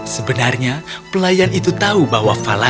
sebenarnya pelayan itu tahu bahwa fala